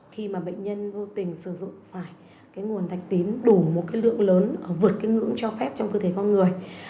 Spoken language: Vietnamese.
khi mà bệnh nhân vô tình sử dụng phải cái nguồn thạch tín đổ một cái lượng lớn vượt cái ngưỡng cho phép trong cơ thể con người